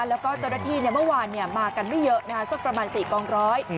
แล้วก็เจ้าหน้าที่เมื่อวานมากันไม่เยอะสักประมาณ๔กองร้อย